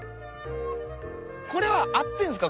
これは合ってんですか？